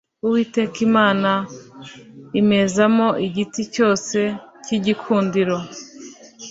Uwiteka Imana imezamo igiti cyose cy’igikundiro